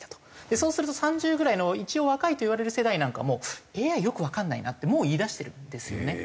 そうすると３０ぐらいの一応若いといわれる世代なんかも「ＡＩよくわかんないな」ってもう言いだしてるんですよね。